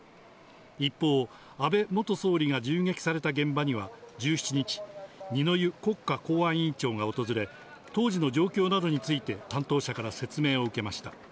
一方、安倍元総理が銃撃された現場には１７日、二之湯国家公安委員長が訪れ、当時の状況などについて担当者から説明を受けました。